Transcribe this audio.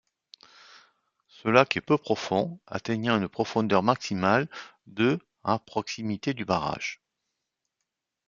Ce lac est peu profond, atteignant une profondeur maximale de à proximité du barrage.